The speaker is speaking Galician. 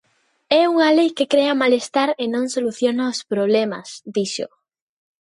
"É unha lei que crea malestar e non soluciona os problemas", dixo.